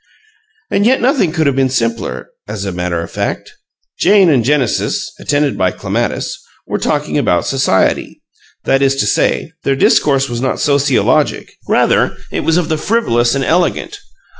And yet nothing could have been simpler: as a matter of fact, Jane and Genesis (attended by Clematis) were talking about society. That is to say, their discourse was not sociologic; rather it was of the frivolous and elegant.